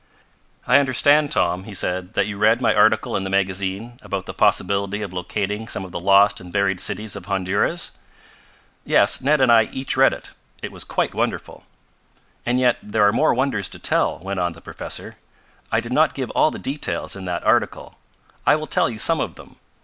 "I understand, Tom," he said, "that you read my article in the magazine, about the possibility of locating some of the lost and buried cities of Honduras?" "Yes, Ned and I each read it. It was quite wonderful." "And yet there are more wonders to tell," went on the professor. "I did not give all the details in that article. I will tell you some of them.